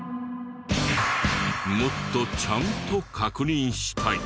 もっとちゃんと確認したい。